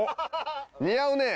似合うねえ。